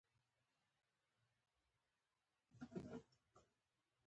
د افغانستان د موقعیت د افغانستان په هره برخه کې موندل کېږي.